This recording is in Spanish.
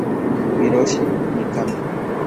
Hiroshi Mikami